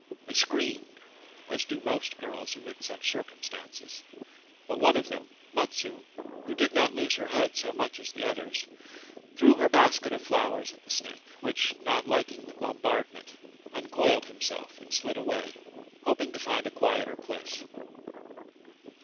They screamed, as do most girls amid such circum stances ; but one of them, Matsu, who did not lose her head so much as the others, threw her basket of flowers at the snake, which, not liking the bombardment, uncoiled himself and slid away, hoping to find a quieter place.